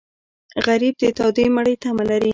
غریب د تودې مړۍ تمه لري